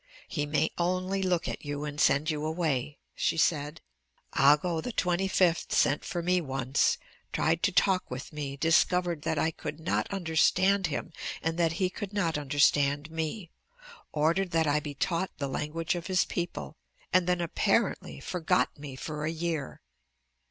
"He may only look at you and send you away," she said. "Ago XXV sent for me once, tried to talk with me, discovered that I could not understand him and that he could not understand me, ordered that I be taught the language of his people, and then apparently forgot me for a year.